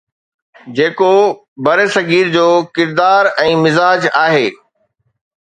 جيڪو برصغير جو ڪردار ۽ مزاج آهي.